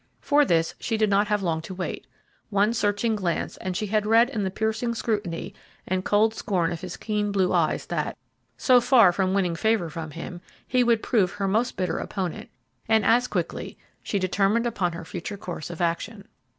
For this, she did not have long to wait; one searching glance, and she had read in the piercing scrutiny and cold scorn of his keen blue eye that, so far from winning favor from him, he would prove her most bitter opponent, and as quickly she determined upon her future course of action.